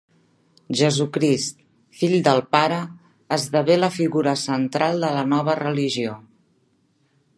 Jesucrist, fill del Pare, esdevé la figura central de la nova religió.